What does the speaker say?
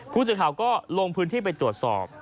ผู้สื่อข่าวก็ลงพื้นที่ไปตรวจสอบ